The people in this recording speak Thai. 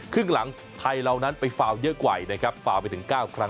ครึ่งหลังไทยเรานั้นไปเยอะไหวนะครับไปถึงเก้าครั้ง